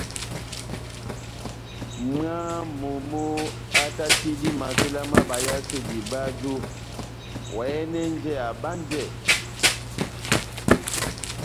Mwána wa momó átátidi mavéla má bayasedi báju, oháyɛnɛjɛ abánjɛ,